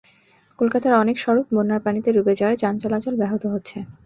কলকাতার অনেক সড়ক বন্যার পানিতে ডুবে যাওয়ায় যান চলাচল ব্যাহত হচ্ছে।